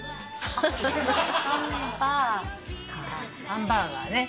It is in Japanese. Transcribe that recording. ハンバーガーね。